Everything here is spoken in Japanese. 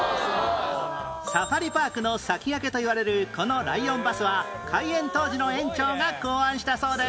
サファリパークの先駆けといわれるこのライオンバスは開園当時の園長が考案したそうです